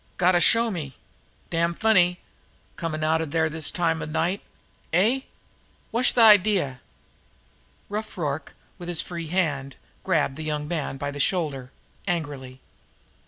Gotta show me. Damn funny coming out of there this time of night! Eh what'sh the idea?" Rough Rorke, with his free hand, grabbed the young man by the shoulder angrily.